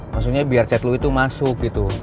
maksudnya biar chat lo itu masuk gitu